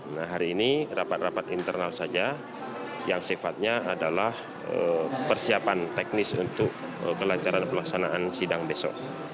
nah hari ini rapat rapat internal saja yang sifatnya adalah persiapan teknis untuk kelancaran pelaksanaan sidang besok